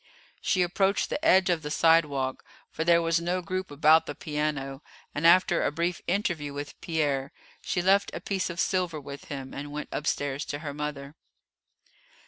She approached the edge of the side walk, for there was no group about the piano, and, after a brief interview with Pierre, she left a piece of silver with him, and went upstairs to her mother.